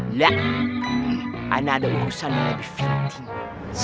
tidak ana ada urusan yang lebih penting